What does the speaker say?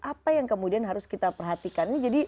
apa yang kemudian harus kita perhatikan